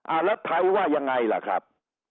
แล้วไทยว่ายังไงล่ะครับ